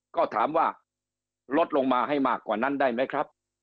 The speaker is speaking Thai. ก็ถามว่าลดลงมาให้มากกว่านั้นได้ไหมครับ